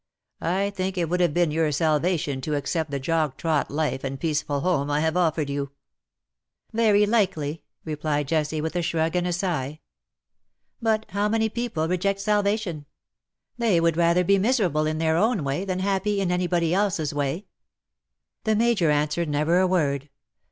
I think it would have been your salvation to accept the jog trot life and peaceful home I have offered you.''' ff Very likely," replied Jessie, with a shrug and a sigh. "But how many people reject salvation. They would rather be miserable in their own way than happy in anybody else's way.'' The Major answered never a word.